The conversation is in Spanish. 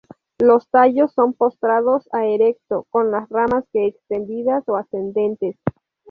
Los tallos son postrados a erecto con las ramas que extendidas o ascendentes.